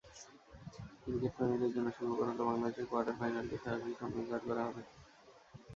ক্রিকেটপ্রেমীদের জন্য সুখবর হলো, বাংলাদেশের কোয়ার্টার ফাইনালটি সরাসরি সম্প্রচার করা হবে।